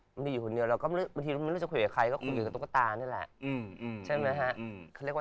บางทีอยู่คนเดียวเราก็บางทีไม่รู้จะคุยกับใครก็คุยกับตุ๊กตาเนี่ยแหละ